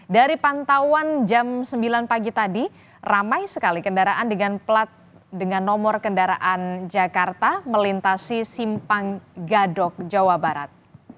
dari pantauan jam sembilan pagi tadi ramai sekali kendaraan dengan plat dengan nomor kendaraan jakarta melintasi simpang gadok jawa barat